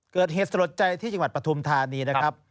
เกิดเหตุสลดใจที่จังหวัดปฐุมธานีนะครับ